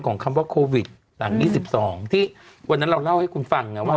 ของคำว่าคอวิทหลัง๒๐๒๒ที่วันนั้นเราเล่าให้คุณฟัง